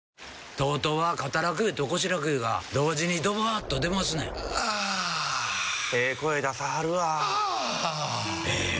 ＴＯＴＯは肩楽湯と腰楽湯が同時にドバーッと出ますねんあええ声出さはるわあええ